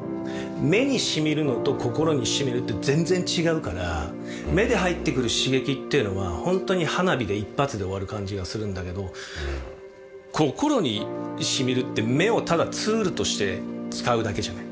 うん何かこう目で入ってくる刺激っていうのはホントに花火で一発で終わる感じがするんだけど心にしみるって目をただツールとして使うだけじゃない？